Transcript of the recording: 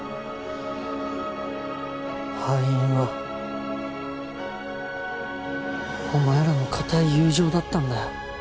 敗因はお前らの固い友情だったんだよ。